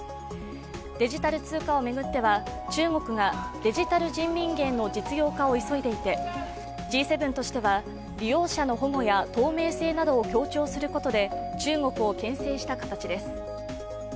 デジタル通貨を巡っては中国がデジタル人民元の実用化を急いでいてＧ７としては利用者の保護や透明性などを強調することで中国をけん制した形です。